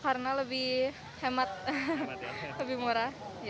karena lebih hemat lebih murah